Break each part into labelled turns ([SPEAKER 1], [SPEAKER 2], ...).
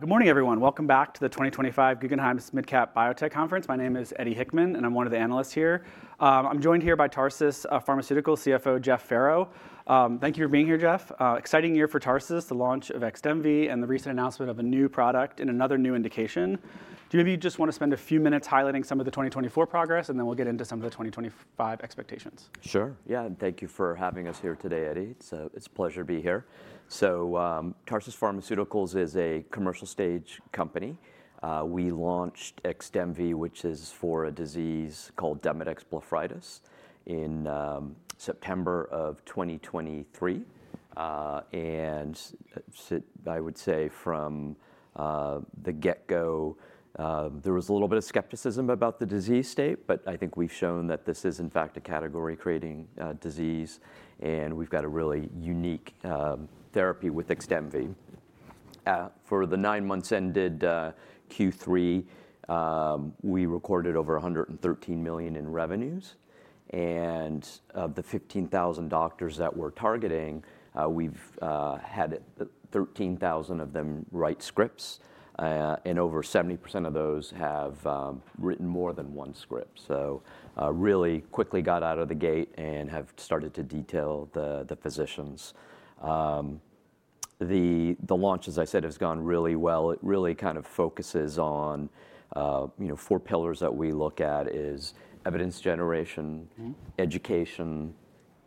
[SPEAKER 1] Good morning, everyone. Welcome back to the 2025 Guggenheim SMID Cap Biotech Conference. My name is Eddie Hickman, and I'm one of the analysts here. I'm joined here by Tarsus Pharmaceuticals CFO, Jeff Farrow. Thank you for being here, Jeff. Exciting year for Tarsus, the launch of Xdemvy and the recent announcement of a new product and another new indication. Do any of you just want to spend a few minutes highlighting some of the 2024 progress, and then we'll get into some of the 2025 expectations?
[SPEAKER 2] Sure. Yeah. Thank you for having us here today, Eddie. It's a pleasure to be here. So Tarsus Pharmaceuticals is a commercial stage company. We launched Xdemvy, which is for a disease called Demodex blepharitis, in September of 2023. And I would say from the get-go, there was a little bit of skepticism about the disease state, but I think we've shown that this is, in fact, a category-creating disease, and we've got a really unique therapy with Xdemvy. For the nine-months ended Q3, we recorded over $113 million in revenues. And of the 15,000 doctors that we're targeting, we've had 13,000 of them write scripts, and over 70% of those have written more than one script. So really quickly got out of the gate and have started to detail the physicians. The launch, as I said, has gone really well. It really kind of focuses on four pillars that we look at: evidence generation, education,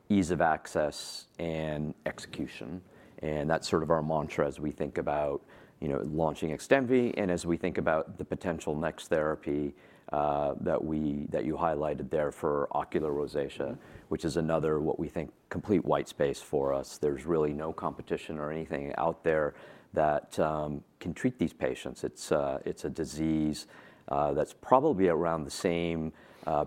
[SPEAKER 2] ease of access, and execution. And that's sort of our mantra as we think about launching Xdemvy. And as we think about the potential next therapy that you highlighted there for ocular rosacea, which is another, what we think, complete white space for us. There's really no competition or anything out there that can treat these patients. It's a disease that's probably around the same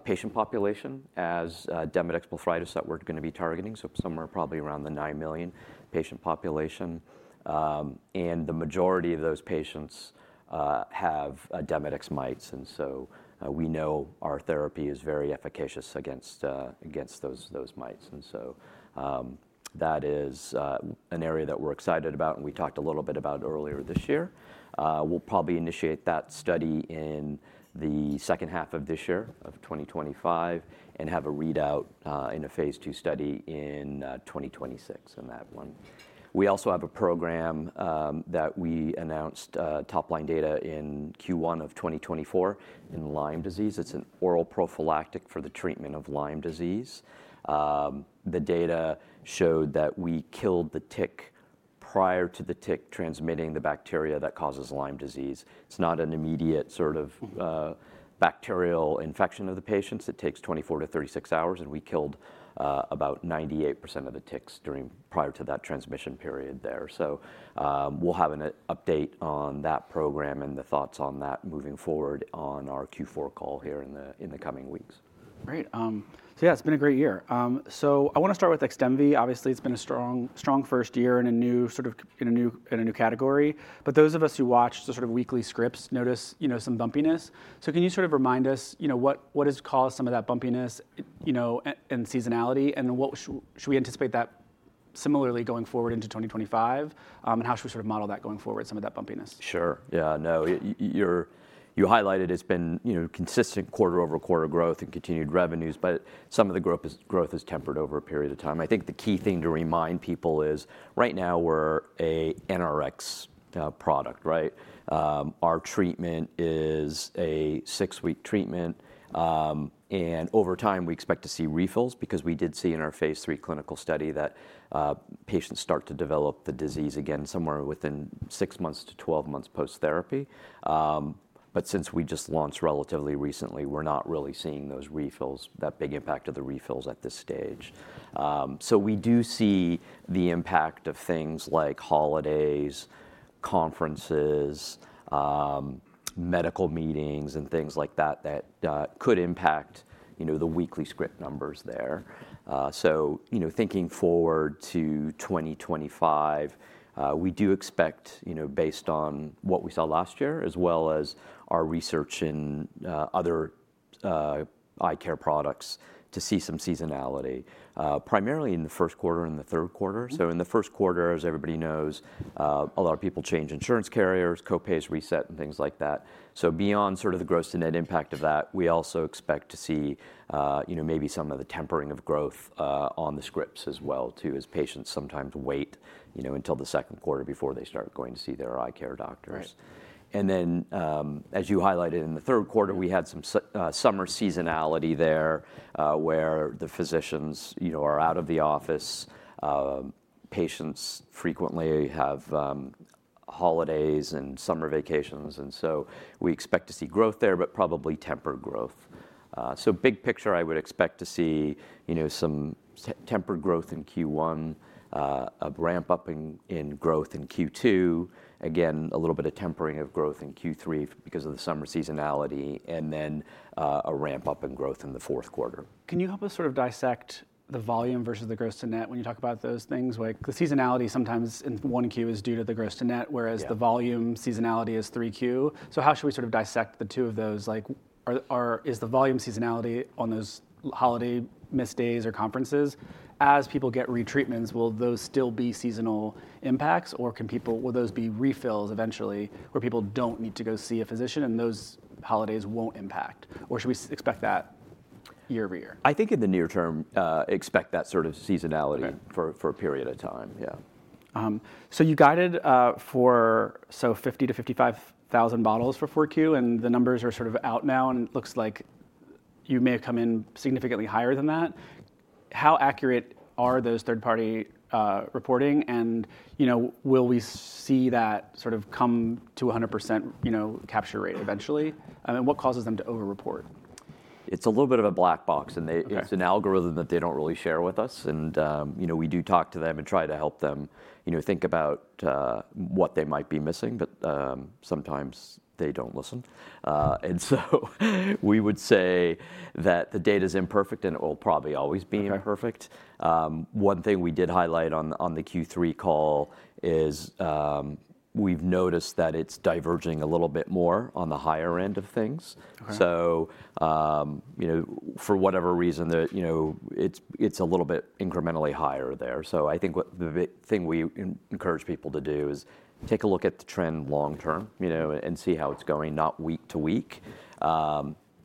[SPEAKER 2] patient population as Demodex blepharitis that we're going to be targeting. So somewhere probably around the nine million patient population. And the majority of those patients have Demodex mites. And so we know our therapy is very efficacious against those mites. And so that is an area that we're excited about, and we talked a little bit about earlier this year. We'll probably initiate that study in the second half of this year of 2025 and have a readout in a phase II study in 2026 on that one. We also have a program that we announced, topline data, in Q1 of 2024 in Lyme disease. It's an oral prophylactic for the treatment of Lyme disease. The data showed that we killed the tick prior to the tick transmitting the bacteria that causes Lyme disease. It's not an immediate sort of bacterial infection of the patients. It takes 24-36 hours, and we killed about 98% of the ticks prior to that transmission period there. So we'll have an update on that program and the thoughts on that moving forward on our Q4 call here in the coming weeks.
[SPEAKER 1] Great. So yeah, it's been a great year. So I want to start with Xdemvy. Obviously, it's been a strong first year in a new category. But those of us who watch the sort of weekly scripts notice some bumpiness. So can you sort of remind us what has caused some of that bumpiness and seasonality? And should we anticipate that similarly going forward into 2025? And how should we sort of model that going forward, some of that bumpiness?
[SPEAKER 2] Sure. Yeah. No, you highlighted it's been consistent quarter-over-quarter growth and continued revenues, but some of the growth has tempered over a period of time. I think the key thing to remind people is right now we're an NRx product, right? Our treatment is a six-week treatment. And over time, we expect to see refills because we did see in our phase III clinical study that patients start to develop the disease again somewhere within six months to 12 months post-therapy. But since we just launched relatively recently, we're not really seeing those refills, that big impact of the refills at this stage. So we do see the impact of things like holidays, conferences, medical meetings, and things like that that could impact the weekly script numbers there. Thinking forward to 2025, we do expect, based on what we saw last year, as well as our research in other eye care products, to see some seasonality, primarily in the first quarter and the third quarter. In the first quarter, as everybody knows, a lot of people change insurance carriers, copays, reset, and things like that. Beyond sort of the gross-to-net impact of that, we also expect to see maybe some of the tempering of growth on the scripts as well, too, as patients sometimes wait until the second quarter before they start going to see their eye care doctors. Then, as you highlighted in the third quarter, we had some summer seasonality there where the physicians are out of the office. Patients frequently have holidays and summer vacations. We expect to see growth there, but probably tempered growth. Big picture, I would expect to see some tempered growth in Q1, a ramp-up in growth in Q2, again, a little bit of tempering of growth in Q3 because of the summer seasonality, and then a ramp-up in growth in the fourth quarter.
[SPEAKER 1] Can you help us sort of dissect the volume versus the gross-to-net when you talk about those things? The seasonality sometimes in 1Q is due to the gross-to-net, whereas the volume seasonality is 3Q. So how should we sort of dissect the two of those? Is the volume seasonality on those holiday missed days or conferences? As people get retreatments, will those still be seasonal impacts, or will those be refills eventually where people don't need to go see a physician and those holidays won't impact? Or should we expect that year-over-year?
[SPEAKER 2] I think in the near term, expect that sort of seasonality for a period of time. Yeah.
[SPEAKER 1] So you guided for 50,000-55,000 bottles for Q4, and the numbers are sort of out now, and it looks like you may have come in significantly higher than that. How accurate are those third-party reporting, and will we see that sort of come to 100% capture rate eventually? And what causes them to over-report?
[SPEAKER 2] It's a little bit of a black box, and it's an algorithm that they don't really share with us, and we do talk to them and try to help them think about what they might be missing, but sometimes they don't listen, and so we would say that the data is imperfect, and it will probably always be imperfect. One thing we did highlight on the Q3 call is we've noticed that it's diverging a little bit more on the higher end of things, so for whatever reason, it's a little bit incrementally higher there, so I think the thing we encourage people to do is take a look at the trend long term and see how it's going, not week to week,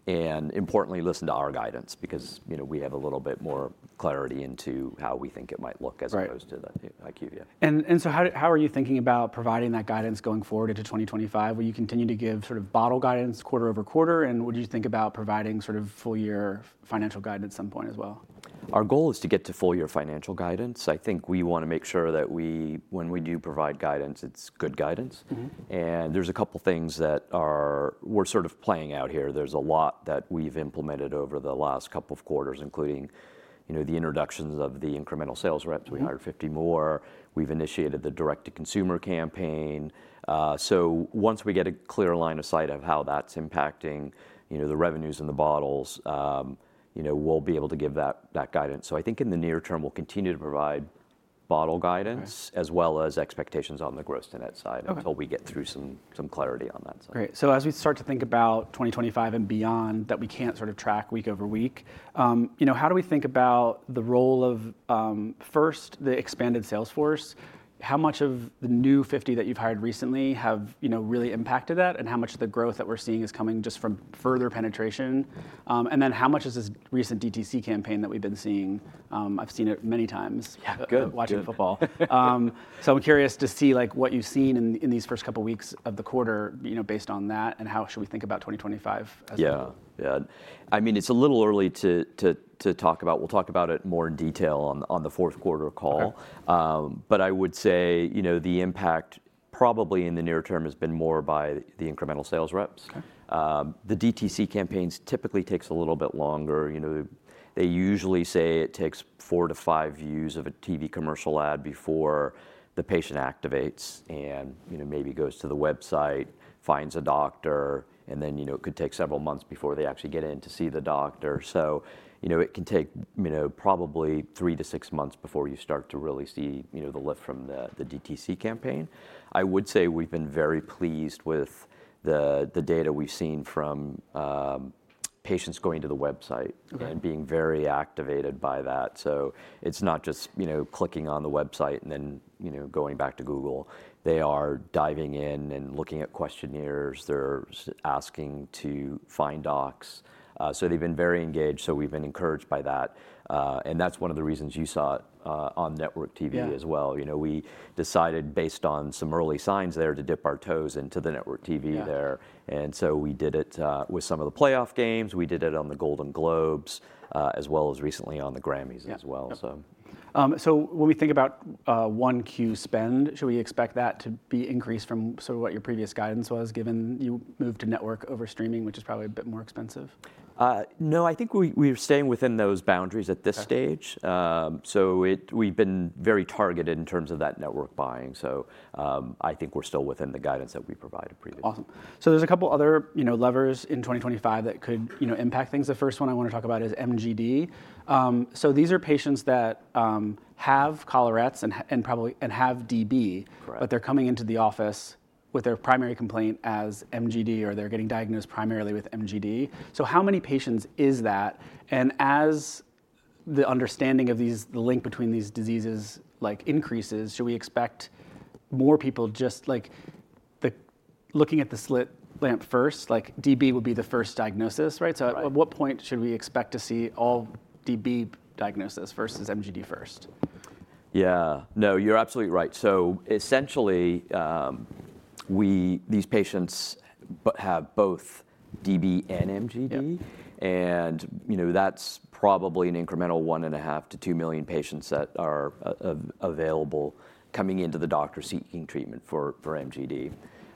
[SPEAKER 2] and importantly, listen to our guidance because we have a little bit more clarity into how we think it might look as opposed to the Q.
[SPEAKER 1] And so how are you thinking about providing that guidance going forward into 2025? Will you continue to give sort of bottom guidance quarter-over-quarter, and would you think about providing sort of full-year financial guidance at some point as well?
[SPEAKER 2] Our goal is to get to full-year financial guidance. I think we want to make sure that when we do provide guidance, it's good guidance, and there's a couple of things that we're sort of playing out here. There's a lot that we've implemented over the last couple of quarters, including the introductions of the incremental sales reps. We hired 50 more. We've initiated the direct-to-consumer campaign, so once we get a clear line of sight of how that's impacting the revenues and the bottles, we'll be able to give that guidance, so I think in the near term, we'll continue to provide bottle guidance as well as expectations on the gross-to-net side until we get through some clarity on that side.
[SPEAKER 1] Great. So as we start to think about 2025 and beyond that we can't sort of track week over week, how do we think about the role of, first, the expanded sales force? How much of the new 50 that you've hired recently have really impacted that, and how much of the growth that we're seeing is coming just from further penetration? And then how much is this recent DTC campaign that we've been seeing? I've seen it many times watching football. So I'm curious to see what you've seen in these first couple of weeks of the quarter based on that, and how should we think about 2025?
[SPEAKER 2] Yeah. Yeah. I mean, it's a little early to talk about. We'll talk about it more in detail on the fourth quarter call. But I would say the impact probably in the near term has been more by the incremental sales reps. The DTC campaigns typically take a little bit longer. They usually say it takes four to five views of a TV commercial ad before the patient activates and maybe goes to the website, finds a doctor, and then it could take several months before they actually get in to see the doctor. So it can take probably three to six months before you start to really see the lift from the DTC campaign. I would say we've been very pleased with the data we've seen from patients going to the website and being very activated by that. It's not just clicking on the website and then going back to Google. They are diving in and looking at questionnaires. They're asking to find docs. They've been very engaged. We've been encouraged by that. That's one of the reasons you saw it on network TV as well. We decided, based on some early signs there, to dip our toes into the network TV there. We did it with some of the playoff games. We did it on the Golden Globes, as well as recently on the Grammys as well.
[SPEAKER 1] So when we think about 1Q spend, should we expect that to be increased from sort of what your previous guidance was, given you moved to network over streaming, which is probably a bit more expensive?
[SPEAKER 2] No, I think we're staying within those boundaries at this stage. So we've been very targeted in terms of that network buying. So I think we're still within the guidance that we provided previously.
[SPEAKER 1] Awesome. So there's a couple of other levers in 2025 that could impact things. The first one I want to talk about is MGD. So these are patients that have collarettes and have DB, but they're coming into the office with their primary complaint as MGD, or they're getting diagnosed primarily with MGD. So how many patients is that? And as the understanding of the link between these diseases increases, should we expect more people just looking at the slit lamp first, like DB would be the first diagnosis, right? So at what point should we expect to see all DB diagnosis versus MGD first?
[SPEAKER 2] Yeah. No, you're absolutely right, so essentially, these patients have both DB and MGD, and that's probably an incremental 1.5-2 million patients that are available coming into the doctor seeking treatment for MGD.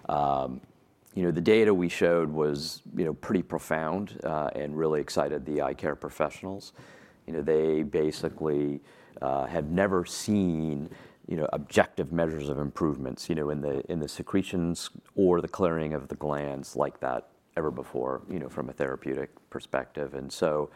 [SPEAKER 2] The data we showed was pretty profound and really excited the eye care professionals. They basically had never seen objective measures of improvements in the secretions or the clearing of the glands like that ever before from a therapeutic perspective, and so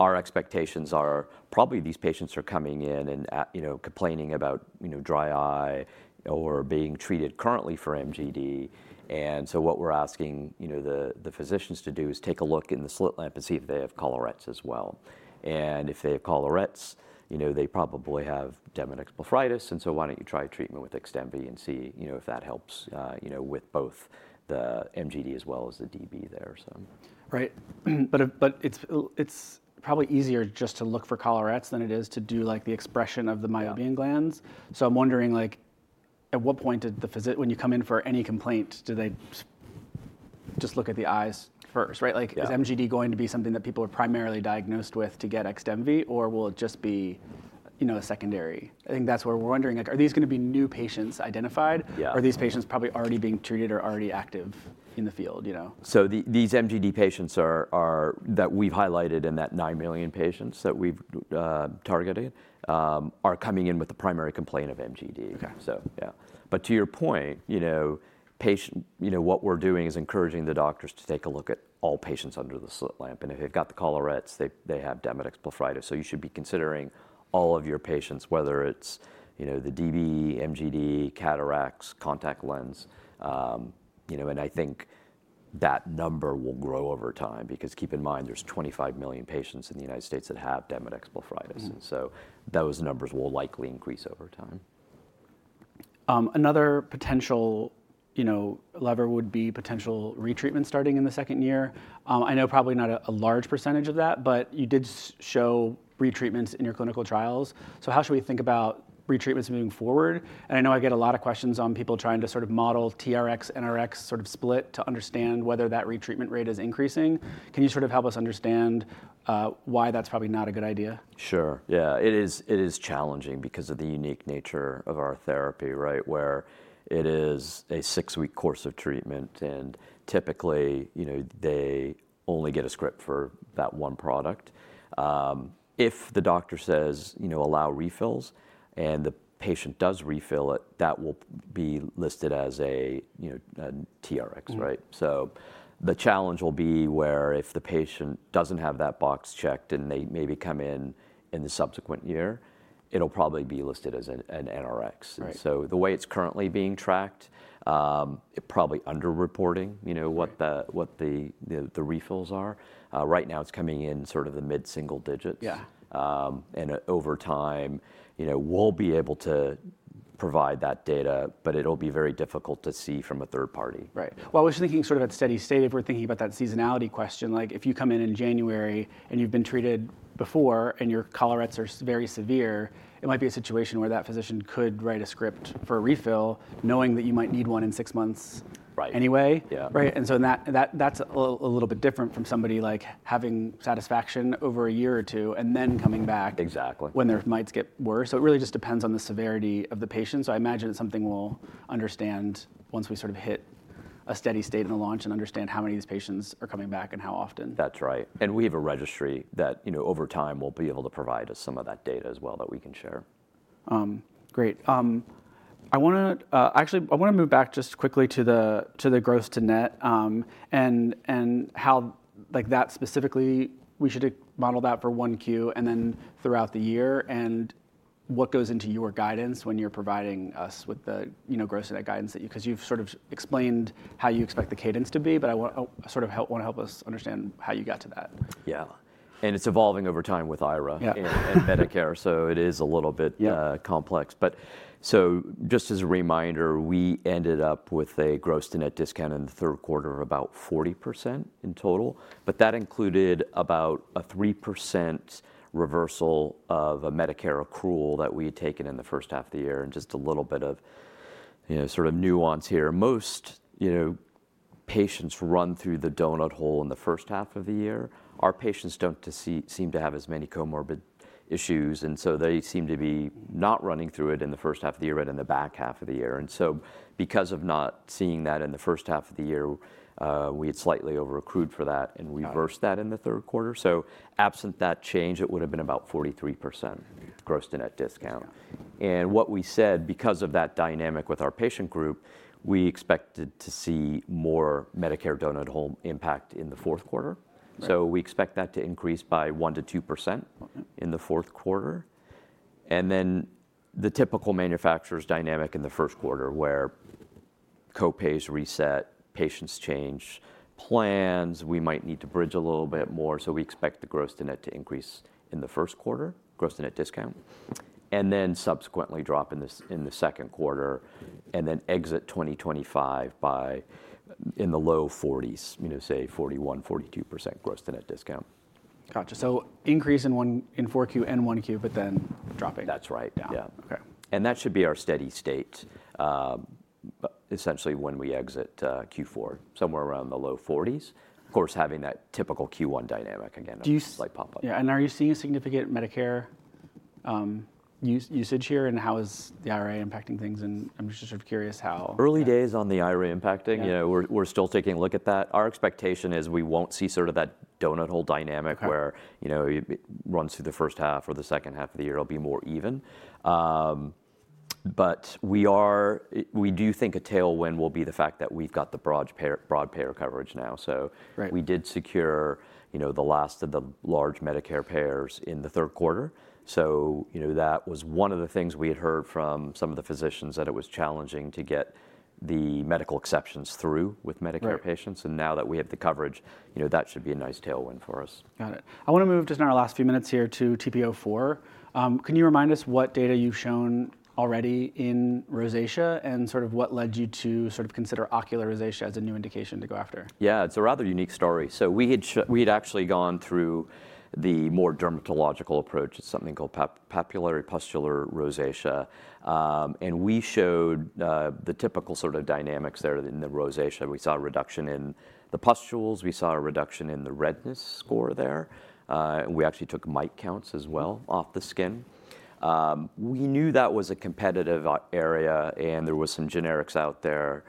[SPEAKER 2] our expectations are probably these patients are coming in and complaining about dry eye or being treated currently for MGD, and so what we're asking the physicians to do is take a look in the slit lamp and see if they have collarettes as well, and if they have collarettes, they probably have Demodex blepharitis. And so why don't you try treatment with Xdemvy and see if that helps with both the MGD as well as the DB there, so.
[SPEAKER 1] Right. But it's probably easier just to look for collarettes than it is to do the expression of the meibomian glands. So I'm wondering, at what point did the physician, when you come in for any complaint, do they just look at the eyes first, right? Is MGD going to be something that people are primarily diagnosed with to get Xdemvy, or will it just be a secondary? I think that's where we're wondering. Are these going to be new patients identified, or are these patients probably already being treated or already active in the field?
[SPEAKER 2] So these MGD patients that we've highlighted and that nine million patients that we've targeted are coming in with the primary complaint of MGD. So yeah. But to your point, what we're doing is encouraging the doctors to take a look at all patients under the slit lamp. And if they've got the collarettes, they have Demodex blepharitis. So you should be considering all of your patients, whether it's the DB, MGD, cataracts, contact lens. And I think that number will grow over time because keep in mind, there's 25 million patients in the United States that have Demodex blepharitis. And so those numbers will likely increase over time.
[SPEAKER 1] Another potential lever would be potential retreatment starting in the second year. I know probably not a large percentage of that, but you did show retreatments in your clinical trials, so how should we think about retreatments moving forward, and I know I get a lot of questions on people trying to sort of model TRx, NRx sort of split to understand whether that retreatment rate is increasing. Can you sort of help us understand why that's probably not a good idea?
[SPEAKER 2] Sure. Yeah. It is challenging because of the unique nature of our therapy, right, where it is a six-week course of treatment. And typically, they only get a script for that one product. If the doctor says, "Allow refills," and the patient does refill it, that will be listed as a TRx, right? So the challenge will be where if the patient doesn't have that box checked and they maybe come in in the subsequent year, it'll probably be listed as an NRx. And so the way it's currently being tracked, it's probably under-reporting what the refills are. Right now, it's coming in sort of the mid-single digits. And over time, we'll be able to provide that data, but it'll be very difficult to see from a third party.
[SPEAKER 1] Right. Well, I was thinking sort of at steady state, if we're thinking about that seasonality question, like if you come in in January and you've been treated before and your collarettes are very severe, it might be a situation where that physician could write a script for a refill knowing that you might need one in six months anyway. Right? And so that's a little bit different from somebody having satisfaction over a year or two and then coming back when their mites get worse. So it really just depends on the severity of the patient. So I imagine that something we'll understand once we sort of hit a steady state in the launch and understand how many of these patients are coming back and how often.
[SPEAKER 2] That's right. And we have a registry that over time will be able to provide us some of that data as well that we can share.
[SPEAKER 1] Great. Actually, I want to move back just quickly to the gross-to-net and how that specifically we should model that for 1Q and then throughout the year and what goes into your guidance when you're providing us with the gross-to-net guidance that you because you've sort of explained how you expect the cadence to be, but I sort of want to help us understand how you got to that.
[SPEAKER 2] Yeah, and it's evolving over time with IRA and Medicare, so it is a little bit complex. But, just as a reminder, we ended up with a gross-to-net discount in the third quarter of about 40% in total. But that included about a 3% reversal of a Medicare accrual that we had taken in the first half of the year and just a little bit of sort of nuance here. Most patients run through the donut hole in the first half of the year. Our patients don't seem to have as many comorbid issues, and so they seem to be not running through it in the first half of the year, but in the back half of the year. And so, because of not seeing that in the first half of the year, we had slightly over-accrued for that and reversed that in the third quarter. So absent that change, it would have been about 43% gross-to-net discount. And what we said, because of that dynamic with our patient group, we expected to see more Medicare donut hole impact in the fourth quarter. So we expect that to increase by 1%-2% in the fourth quarter. And then the typical manufacturer's dynamic in the first quarter where copays reset, patients change plans, we might need to bridge a little bit more. So we expect the gross-to-net to increase in the first quarter, gross-to-net discount, and then subsequently drop in the second quarter and then exit 2025 in the low 40s, say 41%, 42% gross-to-net discount.
[SPEAKER 1] Gotcha. So increase in Q4 and Q1, but then dropping.
[SPEAKER 2] That's right. Yeah. And that should be our steady state essentially when we exit Q4, somewhere around the low 40s. Of course, having that typical Q1 dynamic again like pop-up.
[SPEAKER 1] Yeah. And are you seeing a significant Medicare usage here and how is the IRA impacting things? And I'm just sort of curious how.
[SPEAKER 2] Early days on the IRA impacting. We're still taking a look at that. Our expectation is we won't see sort of that donut hole dynamic where it runs through the first half or the second half of the year. It'll be more even. But we do think a tailwind will be the fact that we've got the broad payer coverage now. So we did secure the last of the large Medicare payers in the third quarter. So that was one of the things we had heard from some of the physicians that it was challenging to get the medical exceptions through with Medicare patients. And now that we have the coverage, that should be a nice tailwind for us.
[SPEAKER 1] Got it. I want to move just in our last few minutes here to TP-04. Can you remind us what data you've shown already in rosacea and sort of what led you to sort of consider ocular rosacea as a new indication to go after?
[SPEAKER 2] Yeah. It's a rather unique story. So we had actually gone through the more dermatological approach. It's something called papulopustular rosacea. And we showed the typical sort of dynamics there in the rosacea. We saw a reduction in the pustules. We saw a reduction in the redness score there. We actually took mite counts as well off the skin. We knew that was a competitive area and there were some generics out there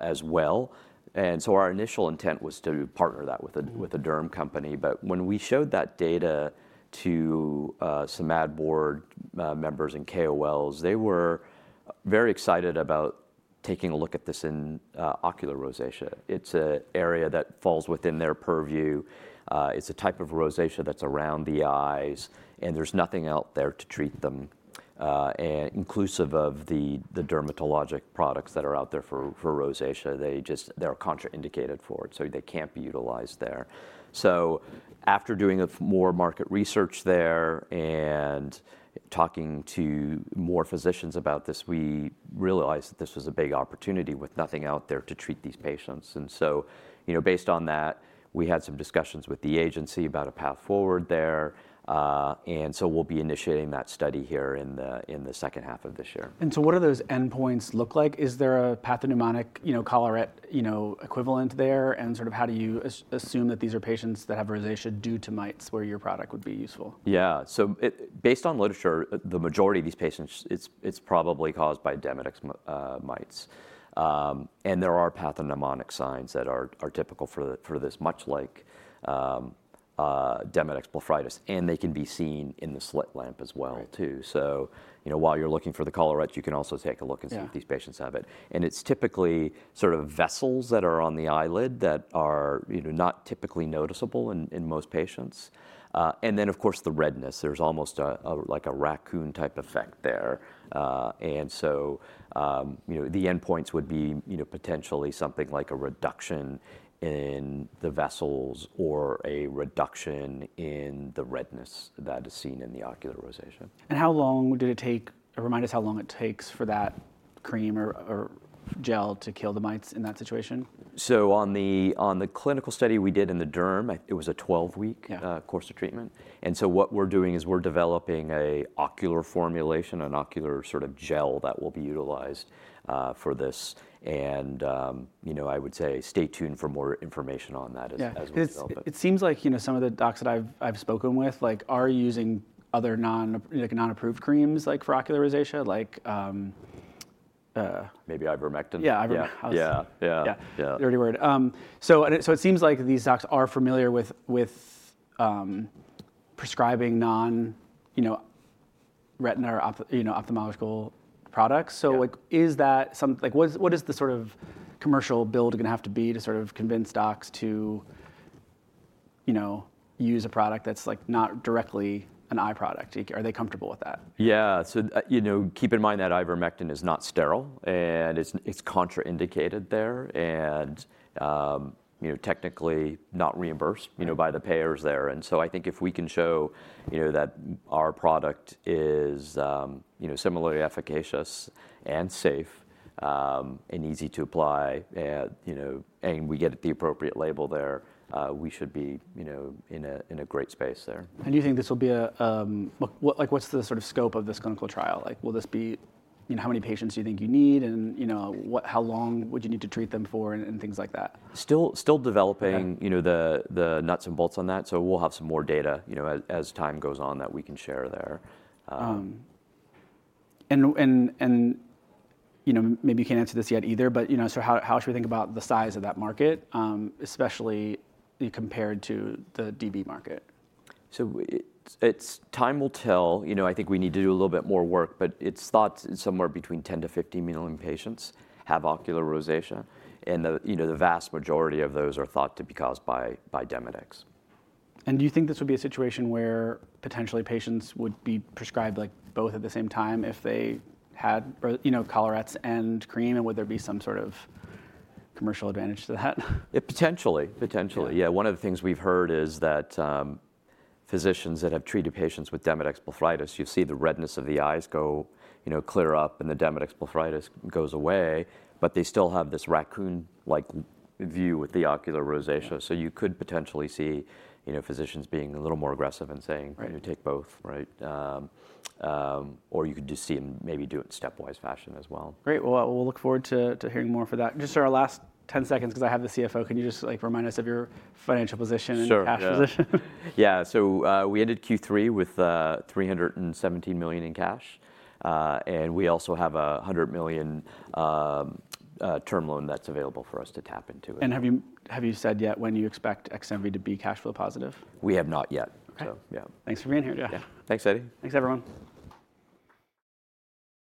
[SPEAKER 2] as well. And so our initial intent was to partner that with a derm company. But when we showed that data to some ad board members and KOLs, they were very excited about taking a look at this in ocular rosacea. It's an area that falls within their purview. It's a type of rosacea that's around the eyes. And there's nothing out there to treat them, inclusive of the dermatologic products that are out there for rosacea. They're contraindicated for it, so they can't be utilized there, so after doing more market research there and talking to more physicians about this, we realized that this was a big opportunity with nothing out there to treat these patients, and so based on that, we had some discussions with the agency about a path forward there, and so we'll be initiating that study here in the second half of this year.
[SPEAKER 1] And so what do those endpoints look like? Is there a pathognomonic collarette equivalent there? And sort of how do you assume that these are patients that have rosacea due to mites where your product would be useful?
[SPEAKER 2] Yeah. So based on literature, the majority of these patients, it's probably caused by Demodex mites. And there are pathognomonic signs that are typical for this, much like Demodex blepharitis. And they can be seen in the slit lamp as well, too. So while you're looking for the collarette, you can also take a look and see if these patients have it. And it's typically sort of vessels that are on the eyelid that are not typically noticeable in most patients. And then, of course, the redness. There's almost like a raccoon-type effect there. And so the endpoints would be potentially something like a reduction in the vessels or a reduction in the redness that is seen in the ocular rosacea.
[SPEAKER 1] How long did it take? Remind us how long it takes for that cream or gel to kill the mites in that situation.
[SPEAKER 2] So on the clinical study we did in the derm, it was a 12-week course of treatment. And so what we're doing is we're developing an ocular formulation, an ocular sort of gel that will be utilized for this. And I would say stay tuned for more information on that as we develop it.
[SPEAKER 1] It seems like some of the docs that I've spoken with are using other non-approved creams for ocular rosacea, like.
[SPEAKER 2] Maybe ivermectin.
[SPEAKER 1] Yeah, ivermectin. Yeah. Dirty word. So it seems like these docs are familiar with prescribing non-retina ophthalmological products. So what is the sort of commercial build going to have to be to sort of convince docs to use a product that's not directly an eye product? Are they comfortable with that?
[SPEAKER 2] Yeah. So keep in mind that ivermectin is not sterile and it's contraindicated there and technically not reimbursed by the payers there. And so I think if we can show that our product is similarly efficacious and safe and easy to apply and we get the appropriate label there, we should be in a great space there.
[SPEAKER 1] And do you think this will be a what's the sort of scope of this clinical trial? Will this be how many patients do you think you need and how long would you need to treat them for and things like that?
[SPEAKER 2] Still developing the nuts and bolts on that, so we'll have some more data as time goes on that we can share there.
[SPEAKER 1] Maybe you can't answer this yet either, but how should we think about the size of that market, especially compared to the DB market?
[SPEAKER 2] Time will tell. I think we need to do a little bit more work, but it's thought somewhere between 10million-15 million patients have ocular rosacea. The vast majority of those are thought to be caused by Demodex.
[SPEAKER 1] And do you think this would be a situation where potentially patients would be prescribed both at the same time if they had collarettes and cream? And would there be some sort of commercial advantage to that?
[SPEAKER 2] Potentially. Potentially. Yeah. One of the things we've heard is that physicians that have treated patients with Demodex blepharitis, you see the redness of the eyes clear up and the Demodex blepharitis goes away, but they still have this raccoon-like view with the ocular rosacea. So you could potentially see physicians being a little more aggressive and saying, "Take both," right? Or you could just see them maybe do it in stepwise fashion as well.
[SPEAKER 1] Great. Well, we'll look forward to hearing more for that. Just our last 10 seconds because I have the CFO. Can you just remind us of your financial position and cash position?
[SPEAKER 2] Sure. Yeah. So we ended Q3 with $317 million in cash. And we also have a $100 million term loan that's available for us to tap into.
[SPEAKER 1] Have you said yet when you expect Xdemvy to be cash flow positive?
[SPEAKER 2] We have not yet.
[SPEAKER 1] Okay. Yeah. Thanks for being here.
[SPEAKER 2] Yeah. Thanks, Eddie.
[SPEAKER 1] Thanks, everyone.